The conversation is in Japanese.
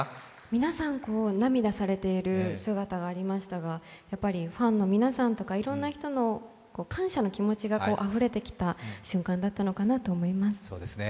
皆さん、涙されてる姿がありましたが、やっぱりファンの皆さんとかいろんな人の感謝の気持ちがあふれ出てきた瞬間だったのかなと思います。